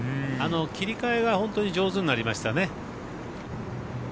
切り替えが本当に上手になりましたね。